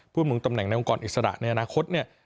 เพื่อมึงตำแหน่งในองค์กรอิสระในอนาคตเนี่ย